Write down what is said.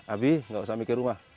abi nggak usah mikir rumah